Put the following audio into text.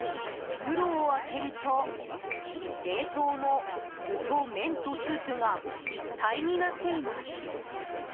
袋を開けると冷凍の具と麺とスープが一体になっています。